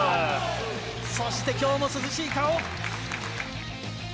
そして今日も涼しい顔。